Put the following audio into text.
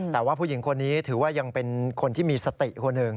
แต่ว่าผู้หญิงคนนี้ถือว่ายังเป็นคนที่มีสติคนหนึ่ง